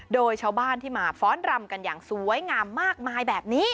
โดยชาวบ้านที่มาฟ้อนรำกันอย่างสวยงามมากมายแบบนี้